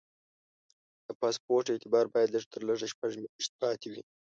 د پاسپورټ اعتبار باید لږ تر لږه شپږ میاشتې پاتې وي.